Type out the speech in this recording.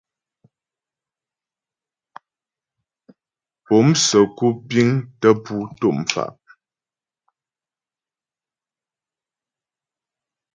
Po'o msə́ku piəŋ tə pú tɔ' mfa'.